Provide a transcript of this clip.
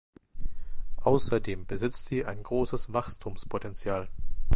Außerdem besitzt sie ein großes Wachstumspotenzial.